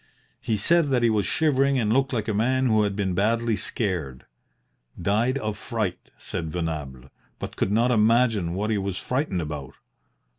He said that he was shivering and looked like a man who had been badly scared. 'Died of fright,' said Venables, but could not imagine what he was frightened about.